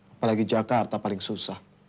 apalagi jakarta paling susah